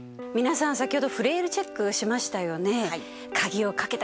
皆さん先ほどフレイルチェックしましたよね。